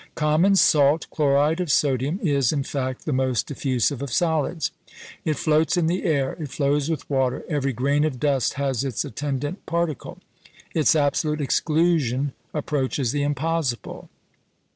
Common salt (chloride of sodium) is, in fact, the most diffusive of solids. It floats in the air; it flows with water; every grain of dust has its attendant particle; its absolute exclusion approaches the impossible.